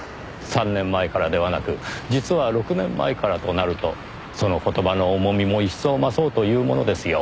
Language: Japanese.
３年前からではなく実は６年前からとなるとその言葉の重みも一層増そうというものですよ。